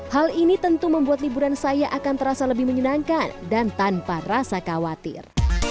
hal ini tentu membuat liburan saya akan terasa lebih menyenangkan dan tanpa rasa khawatir